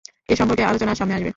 এ সম্পর্কে আলোচনা সামনে আসবে।